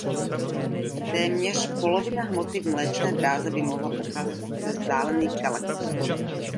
Téměř polovina hmoty v Mléčné dráze by mohla pocházet ze vzdálených galaxií.